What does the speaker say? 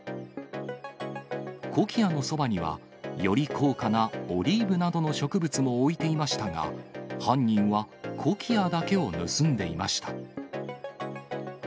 コキアのそばには、より高価なオリーブなどの植物も置いていましたが、犯人はコキアだけを盗んでいました。